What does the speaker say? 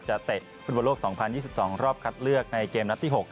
เตะฟุตบอลโลก๒๐๒๒รอบคัดเลือกในเกมนัดที่๖